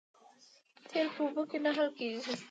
تیل په اوبو کې نه حل کېږي